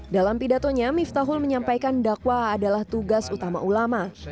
dalam pidatonya miftahul menyampaikan dakwah adalah tugas utama ulama